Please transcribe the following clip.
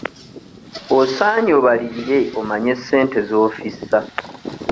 Osaanye obalirire omanye ssente z'ofissa.